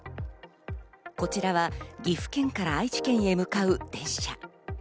こちらは岐阜県から愛知県へ向かう列車。